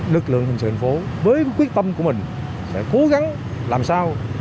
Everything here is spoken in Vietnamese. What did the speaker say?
lực lượng hình sự thành phố với quyết tâm của mình sẽ cố gắng làm sao